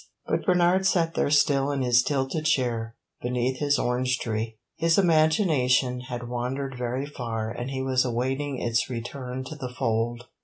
But Bernard sat there still in his tilted chair, beneath his orange tree; his imagination had wandered very far and he was awaiting its return to the fold.